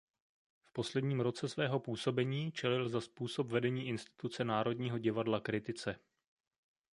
V posledním roce svého působení čelil za způsob vedení instituce Národního divadla kritice.